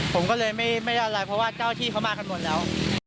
ผมก็เลยไม่ได้อะไรเพราะว่าเจ้าที่เขามากันหมดแล้ว